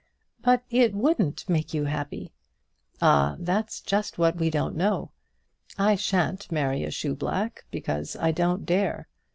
"But it wouldn't make you happy." "Ah! that's just what we don't know. I shan't marry a shoe black, because I don't dare.